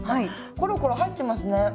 コロコロ入ってますね。